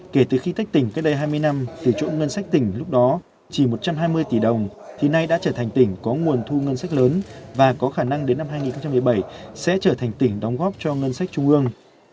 kể từ khi tách tỉnh cách đây hai mươi năm từ chỗ ngân sách tỉnh lúc đó chỉ một trăm hai mươi tỷ đồng thì nay đã trở thành tỉnh có nguồn thu ngân sách lớn và có khả năng đến năm hai nghìn một mươi bảy sẽ trở thành tỉnh đóng góp cho ngân sách trung ương